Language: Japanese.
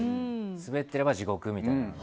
スベってれば地獄みたいな。